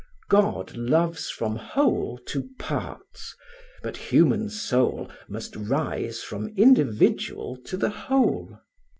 God loves from whole to parts: but human soul Must rise from individual to the whole.